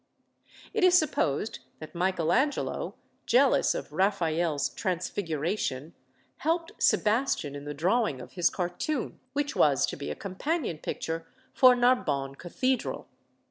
It is supposed that Michael Angelo, jealous of Raphael's "Transfiguration," helped Sebastian in the drawing of his cartoon, which was to be a companion picture for Narbonne Cathedral.